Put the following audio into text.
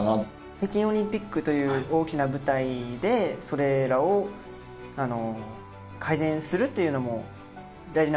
北京オリンピックという大きな舞台でそれらを改善するというのも大事な目標になってくると思うんですけど。